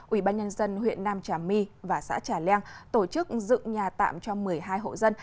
ủy ban nhân dân huyện nam trà my và xã trà leng tổ chức dựng nhà tạm cho một mươi hai hộ dân